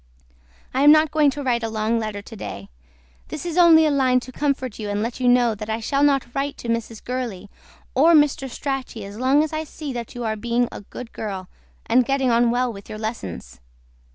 I AM NOT GOING TO WRITE A LONG LETTER TODAY. THIS [P.62] IS ONLY A LINE TO COMFORT YOU AND LET YOU KNOW THAT I SHALL NOT WRITE TO MRS. GURLEY OR MR. STRACHEY AS LONG AS I SEE THAT YOU ARE BEING A GOOD GIRL AND GETTING ON WELL WITH YOUR LESSONS.